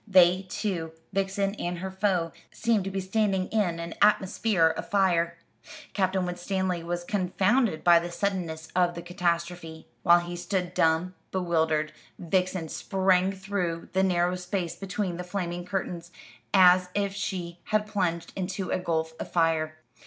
They two Vixen and her foe seemed to be standing in an atmosphere of fire. Captain Winstanley was confounded by the suddenness of the catastrophe. While he stood dumb, bewildered, Vixen sprang through the narrow space between the flaming curtains, as if she had plunged into a gulf of fire.